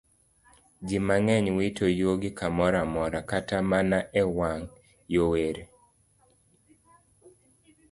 Ji mang'eny wito yugi kamoro amora, kata mana e wang' yorewa.